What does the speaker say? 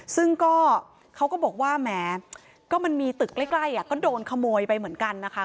ซึ่งก็เขาก็บอกว่าแหมก็มันมีตึกใกล้ก็โดนขโมยไปเหมือนกันนะคะ